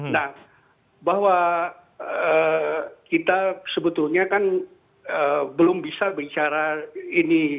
nah bahwa kita sebetulnya kan belum bisa bicara ini